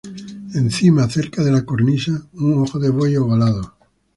Encima, cerca de la cornisa, un ojo de buey ovalado.